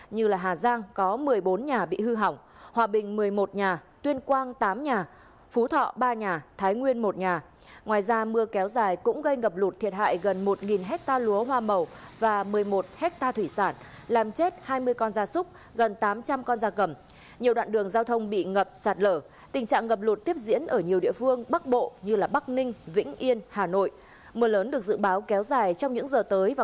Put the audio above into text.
như hà giang có một mươi bốn nhà bị hư hỏng hòa bình một mươi một nhà tuyên quang tám nhà phú thọ ba nhà thái nguyên một nhà